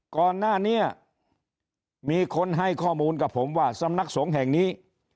ก่อนหน้านี้มีคนให้ข้อมูลกับผมว่าสำนักสงฆ์แห่งนี้